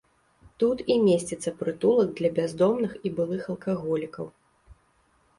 Тут і месціцца прытулак для бяздомных і былых алкаголікаў.